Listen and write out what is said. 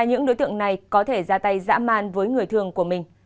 những đối tượng này có thể ra tay dã man với người thường của mình